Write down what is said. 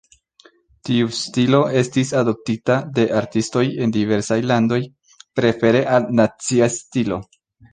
Tiu stilo estis adoptita de artistoj en diversaj landoj, prefere al "nacia" stilo.